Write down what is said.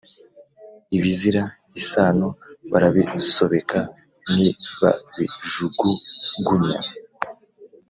Ibizira isano barabisobeka nibabijugugunya